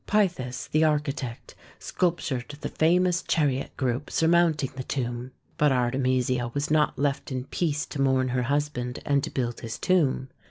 Pythis, the architect, sculptured the famous chariot group surmounting the tomb. But Artemisia was not left in peace to mourn her husband and to build his tomb.